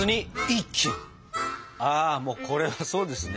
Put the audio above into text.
あもうこれはそうですね。